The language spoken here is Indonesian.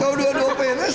kalau dua dua pns